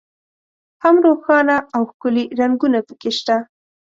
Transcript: هم روښانه او ښکلي رنګونه په کې شته.